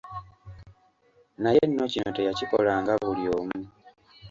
Naye nno kino teyakikolanga buli omu.